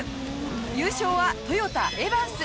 優勝はトヨタエバンス。